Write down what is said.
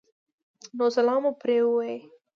نو سلام مو پرې ووې